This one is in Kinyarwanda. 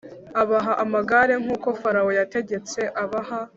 abaha amagare nk uko Farawo yategetse abaha